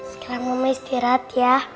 sekarang mama istirahat ya